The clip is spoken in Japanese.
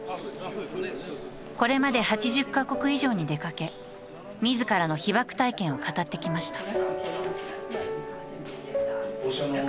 これまで８０カ国以上に出かけ自らの被爆体験を語ってきました。